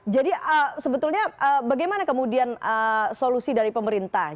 jadi sebetulnya bagaimana kemudian solusi dari pemerintah